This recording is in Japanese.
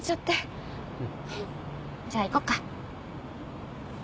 じゃあ行こっか。